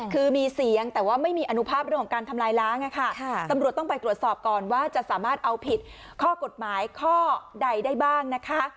คือมีเสียงแต่ว่าไม่มีอนุภาพเรื่องของการทำลายล้างค่ะตำรวจต้องไปตรวจสอบก่อนว่าจะสามารถเอาผิดข้อกฎหมายข้อใดได้บ้างนะคะ